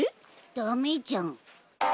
ダメじゃん。